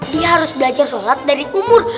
dia harus belajar sholat dari umur